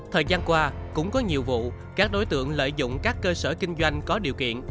thời gian qua cũng có nhiều vụ các đối tượng lợi dụng các cơ sở kinh doanh có điều kiện